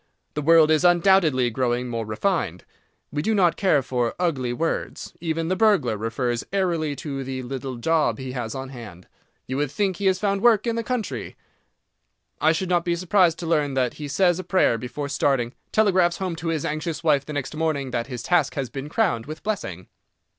The world is undoubtedly growing more refined. We do not care for ugly words. Even the burglar refers airily to the "little job" he has on hand. You would think he had found work in the country. I should not be surprised to learn that he says a prayer before starting, telegraphs home to his anxious wife the next morning that his task has been crowned with blessing.